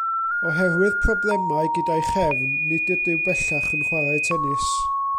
Oherwydd problemau gyda'i chefn, nid ydyw bellach y chwarae tenis.